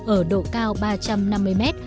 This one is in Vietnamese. ở độ cao ba trăm năm mươi m